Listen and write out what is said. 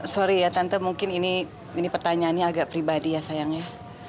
sorry ya tante mungkin ini pertanyaannya agak pribadi ya sayangnya